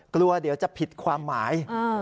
กลัวเดี๋ยวจะผิดความหมาย